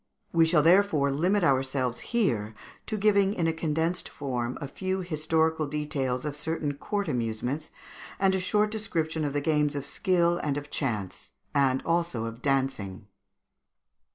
We shall, therefore, limit ourselves here to giving in a condensed form a few historical details of certain court amusements, and a short description of the games of skill and of chance, and also of dancing.